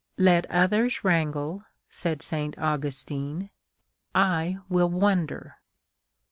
" Let others wrangle," said St. Augustine :" I will wonder."